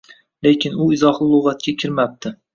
Lekin u izohli lugʻatga kirmabdi